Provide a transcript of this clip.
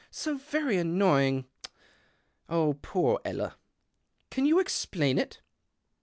So very annoying o poor Ella. Can you explain it